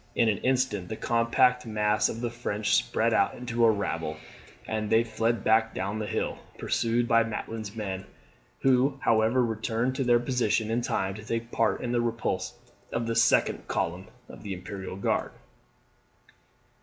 In an instant the compact mass of the French spread out into a rabble, and they fled back down the hill, pursued by Maitland's men, who, however, returned to their position in time to take part in the repulse of the second column of the Imperial Guard.